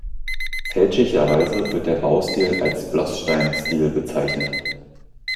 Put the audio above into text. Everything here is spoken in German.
Fälschlicherweise wird der Baustil als "Bloßstein-Stil" bezeichnet.